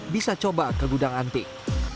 bisa coba ke gudang antik